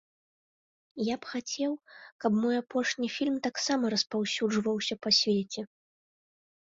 Я б хацеў, каб мой апошні фільм таксама распаўсюджваўся па свеце.